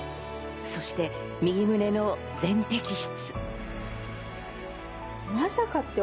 そして右胸の全摘出。